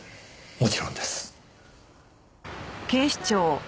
もちろんです。